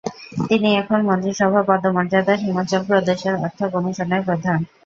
তিনি এখন মন্ত্রিসভা পদমর্যাদার হিমাচল প্রদেশের অর্থ কমিশনের প্রধান।